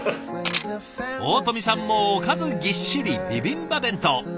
大富さんもおかずぎっしりビビンバ弁当。